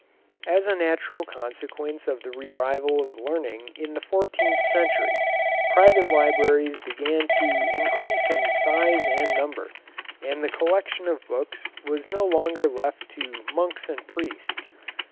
As a natural consequence of the revival of learning in the fourteenth century, private libraries began to increase in size and in number, and the collection of books was no longer left to monks and priests.